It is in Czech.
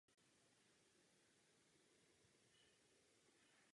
Jedná se o obdélnou stavbu s věží a polygonálním presbytářem.